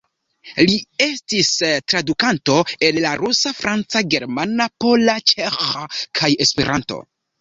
Li estis tradukanto el la rusa, franca, germana, pola, ĉeĥa kaj Esperanto.